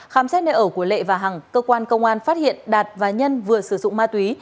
khám xét nơi ở của lệ và hằng cơ quan công an phát hiện đạt và nhân vừa sử dụng ma túy